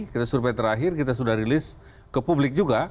kita survei terakhir kita sudah rilis ke publik juga